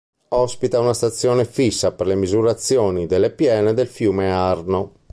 Ospita una stazione fissa per la misurazione delle piene del fiume Arno.